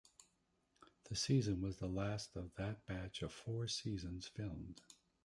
The season was the last of that batch of four seasons filmed.